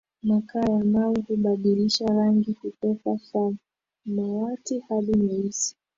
makaa ya mawe hubadilisha rangi kutoka samawati hadi nyeusi